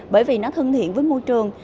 bởi vì nó thân thiện với môi trường